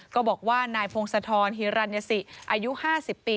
ก็บอกว่านายพงศธรฮิรัญศิอายุ๕๐ปี